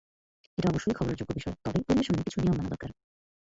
এটা অবশ্যই খবরের যোগ্য বিষয়, তবে পরিবেশনে কিছু বিষয় মানা দরকার।